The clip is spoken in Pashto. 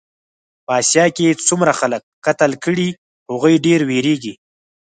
په اسیا کې څومره خلک قتل کړې هغوی ډېر وېرېږي.